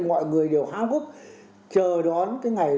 mọi người đều háo hức chờ đón